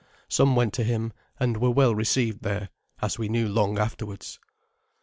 Some went to him, and were well received there, as we knew long afterwards.